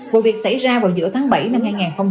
vụ việc xảy ra vào giữa tháng bảy năm hai nghìn hai mươi ba